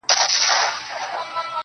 چي ته راځې تر هغو خاندمه، خدایان خندوم.